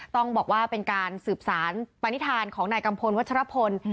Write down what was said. ต้องบอกว่าเป็นการสืบสารปณิธานของนายกัมพลวัชรพล